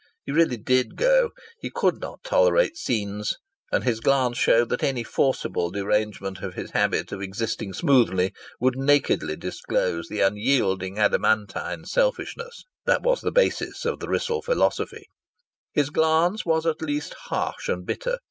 He really did go. He could not tolerate scenes, and his glance showed that any forcible derangement of his habit of existing smoothly would nakedly disclose the unyielding adamantine selfishness that was the basis of the Wrissell philosophy. His glance was at least harsh and bitter.